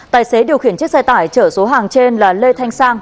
tài xế điều khiển chiếc xe tải chở số hàng trên là lê thanh sang